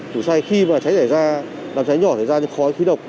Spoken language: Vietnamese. ngủ say khi mà cháy chảy ra đám cháy nhỏ cháy ra như khói khí độc